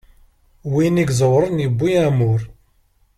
Win iẓewren yewwi amur.